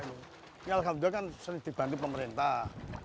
ini alhamdulillah kan sering dibantu pemerintah